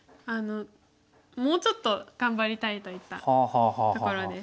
もうちょっと頑張りたいといったところです。